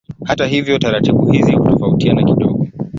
Hata hivyo taratibu hizi hutofautiana kidogo.